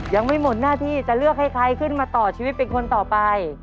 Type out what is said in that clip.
ยังไม่หมดหน้าที่จะเลือกให้ใครขึ้นมาต่อชีวิตเป็นคนต่อไป